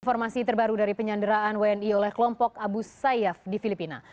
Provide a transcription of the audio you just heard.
informasi terbaru dari penyanderaan wni oleh kelompok abu sayyaf di filipina